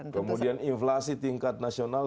kemudian inflasi tingkat nasional